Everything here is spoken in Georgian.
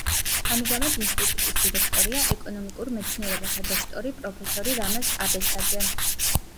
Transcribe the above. ამჟამად ინსტიტუტის დირექტორია ეკონომიკურ მეცნიერებათა დოქტორი, პროფესორი რამაზ აბესაძე.